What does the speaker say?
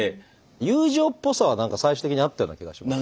友情っぽさは何か最終的にあったような気がします。